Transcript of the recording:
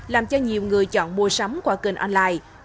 làm cho nhiều người chọn mua sắm qua kênh online